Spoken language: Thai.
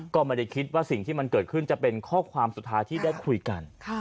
ก็ไม่ได้คิดว่าสิ่งที่มันเกิดขึ้นจะเป็นข้อความสุดท้ายที่ได้คุยกัน